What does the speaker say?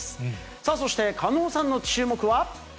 さあ、そして狩野さんの注目は？